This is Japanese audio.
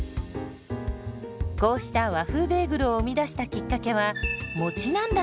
こうした和風ベーグルを生み出したきっかけはもちなんだそう。